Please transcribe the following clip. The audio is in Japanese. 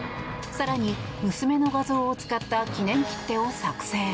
更に、娘の画像を使った記念切手を作成。